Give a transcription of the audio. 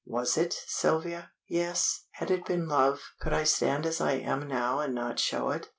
Was it, Sylvia?" "Yes. Had it been love, could I stand as I am now and not show it?"